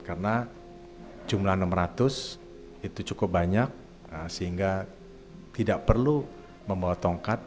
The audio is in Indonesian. karena jumlah enam ratus itu cukup banyak sehingga tidak perlu membawa tongkat